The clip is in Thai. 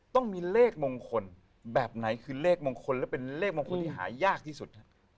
ต้องมีเลขมงคลแบบไหนคือเลขมงคลและเป็นเลขมงคลที่หายากที่สุด